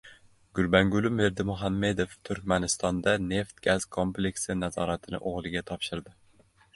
Gurbanguli Berdimuhamedov Turkmanistonda neft-gaz kompleksi nazoratini o‘g‘liga topshirdi